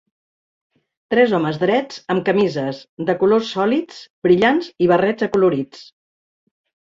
Tres homes drets amb camises de colors sòlids brillants i barrets acolorits.